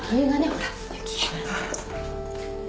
ほら雪枝